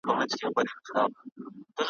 او مخاطب یې لوستونکي او اورېدونکي دي `